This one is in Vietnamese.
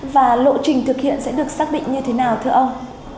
và lộ trình thực hiện sẽ được xác định như thế nào thưa ông